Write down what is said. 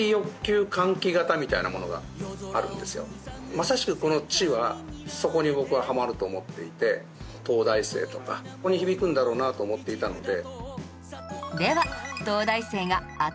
まさしくこの『チ。』はそこに僕はハマると思っていて東大生とかそこに響くんだろうなと思っていたので。